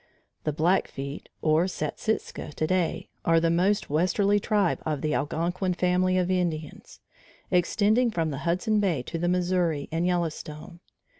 The Blackfeet or Satsika today, are the most westerly tribe of the Algonquin family of Indians, extending from the Hudson Bay to the Missouri and Yellowstone.